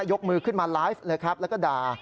ยกมือขึ้นมาไลฟ์เลยครับแล้วก็ด่า